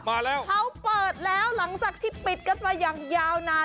มาแล้วเขาเปิดแล้วหลังจากที่ปิดกันมาอย่างยาวนาน